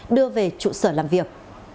đưa về trụ sở làm việc